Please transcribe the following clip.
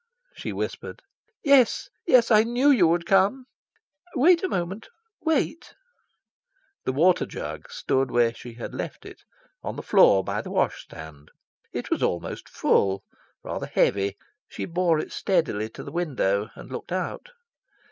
she whispered. "Yes, yes. I knew you would come." "Wait a moment, wait!" The water jug stood where she had left it, on the floor by the wash stand. It was almost full, rather heavy. She bore it steadily to the window, and looked out.